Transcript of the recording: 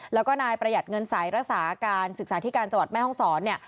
แล้วก็นายประหยัดเงินใสรักษาการศึกษาที่การจังหวัดแม่ห้องศรเนี่ย